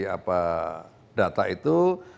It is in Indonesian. apa data itu